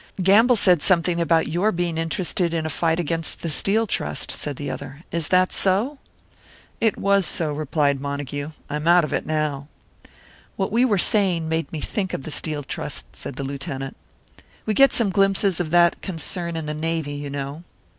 "Gamble said something about your being interested in a fight against the Steel Trust," said the other. "Is that so?" "It was so," replied Montague. "I'm out of it now." "What we were saying made me think of the Steel Trust," said the Lieutenant. "We get some glimpses of that concern in the Navy, you know."